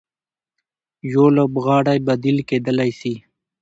يو لوبغاړی بديل کېدلای سي.